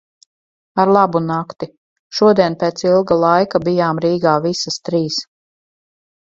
Ar labu nakti. Šodien pēc ilga laika bijām Rīgā visas trīs.